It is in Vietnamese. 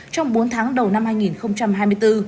trong bốn tháng đầu năm hai nghìn hai mươi bốn